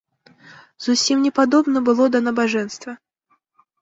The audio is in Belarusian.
Зусім не падобна было да набажэнства.